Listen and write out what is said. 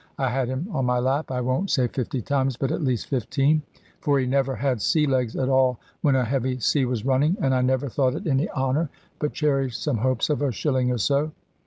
I had him on my lap, I won't say fifty times, but at least fifteen: for he never had sea legs at all when a heavy sea was running: and I never thought it any honour, but cherished some hopes of a shilling, or so.